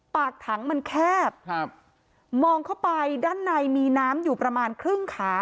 ปากถังมันแคบครับมองเข้าไปด้านในมีน้ำอยู่ประมาณครึ่งขา